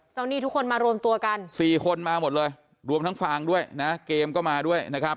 หนี้ทุกคนมารวมตัวกันสี่คนมาหมดเลยรวมทั้งฟางด้วยนะเกมก็มาด้วยนะครับ